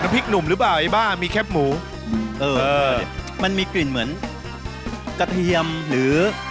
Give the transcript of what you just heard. พริกหนุ่มหรือเปล่าไอ้บ้ามีแคบหมูเออมันมีกลิ่นเหมือนกระเทียมหรือ